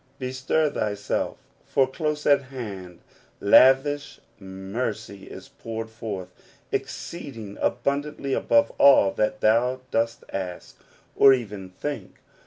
Bestir thyself, for close at hand lavish mercy is poured forth, exceeding abundantly above all that thou dost ask, or even think.